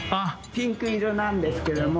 ピンク色なんですけども。